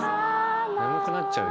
眠くなっちゃう。